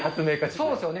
そうですよね。